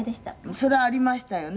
「そりゃありましたよね」